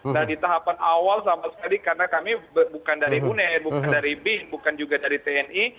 nah di tahapan awal sama sekali karena kami bukan dari uner bukan dari bin bukan juga dari tni